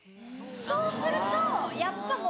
そうするとやっぱもう。